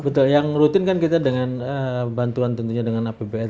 betul yang rutin kan kita dengan bantuan tentunya dengan apbn